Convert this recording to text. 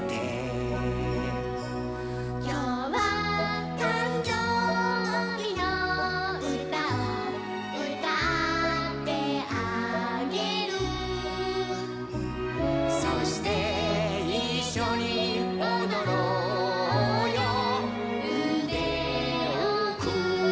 「きょうはたんじょうびのうたをうたってあげる」「そしていっしょにおどろうようでをくんで、、、」